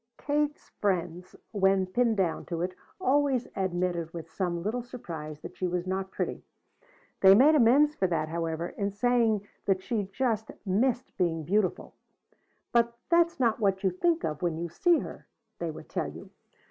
Katie's friends, when pinned down to it, always admitted with some little surprise that she was not pretty; they made amends for that, however, in saying that she just missed being beautiful. "But that's not what you think of when you see her," they would tell you.